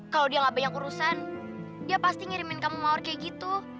kalau dia gak banyak urusan dia pasti ngirimin kamu mawar kayak gitu